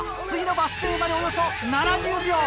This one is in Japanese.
次のバス停までおよそ７０秒。